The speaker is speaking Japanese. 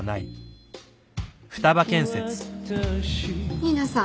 新名さん